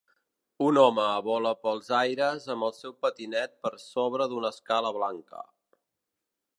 Un home vola pels aires amb el seu patinet per sobre d'una escala blanca.